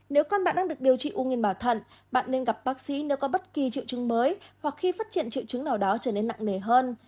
nếu con bạn đang được điều trị ung nghiên bảo thận bạn nên gặp bác sĩ nếu có bất kỳ triệu chứng mới hoặc khi phát hiện triệu chứng nào đó trở nên nặng nề hơn